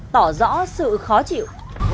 tỏ rõ sự khó chịu